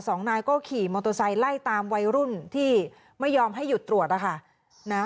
สองนายก็ขย์มอโตซัยไล่ตามวัยรุ่นที่ไม่ยอมให้หยุดตรวจค่ะ